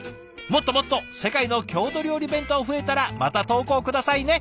もっともっと世界の郷土料理弁当増えたらまた投稿下さいね。